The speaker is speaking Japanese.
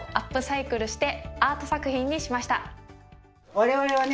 我々はね